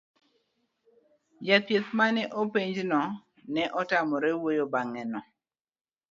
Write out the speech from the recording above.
jachieth mane openj no ne otamore wuoyo bang' neno